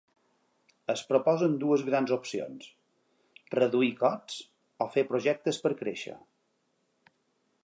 Es proposen dues grans opcions: reduir costs o fer projectes per a créixer.